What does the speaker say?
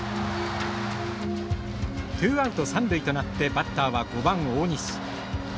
ツーアウト、三塁となってバッターは５番大西。